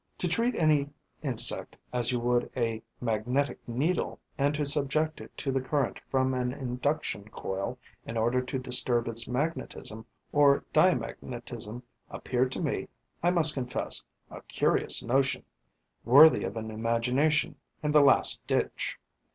To treat an insect as you would a magnetic needle and to subject it to the current from an induction coil in order to disturb its magnetism or diamagnetism appeared to me, I must confess, a curious notion, worthy of an imagination in the last ditch.